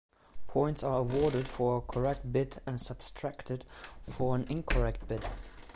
Points are awarded for a correct bid and subtracted for an incorrect bid.